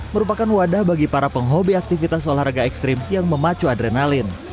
merupakan wadah bagi para penghobi aktivitas olahraga ekstrim yang memacu adrenalin